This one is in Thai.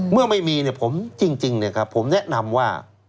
เมื่อไม่มีผมจริงผมแนะนำว่า